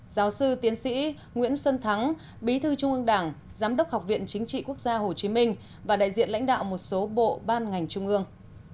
giáo sư tiến sĩ nguyễn xuân thắng bí thư trung ương đảng giám đốc học viện chính trị quốc gia hồ chí minh và đại diện lãnh đạo một số bộ ban ngành trung ương